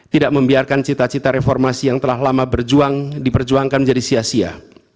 tidak membiarkan cita cita reformasi yang telah lama berjuang diperjuangkan menjadi sia sia